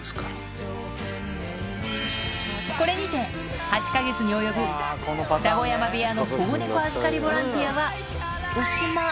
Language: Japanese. これにて、８か月に及ぶ二子山部屋の保護猫預かりボランティアは、おしま。